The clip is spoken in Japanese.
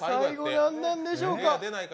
何なんでしょうか。